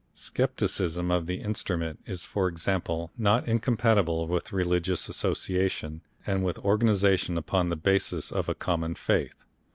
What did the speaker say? Scepticism of the Instrument is for example not incompatible with religious association and with organisation upon the basis of a common faith.